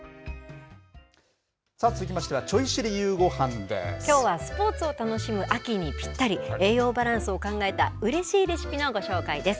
さあ、続きましては、きょうはスポーツを楽しむ秋にぴったり、栄養バランスを考えたうれしいレシピのご紹介です。